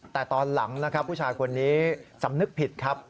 แต่ตอนหลังนะครับผู้ชายคนนี้สำนึกผิดครับ